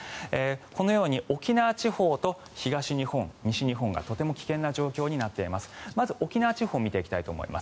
このように沖縄地方と東日本、西日本がとても危険な状況になっています。